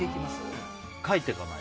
書いていかない。